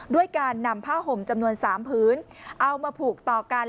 ด้วยการนำผ้าห่มจำนวน๓พื้นเอามาผูกต่อกัน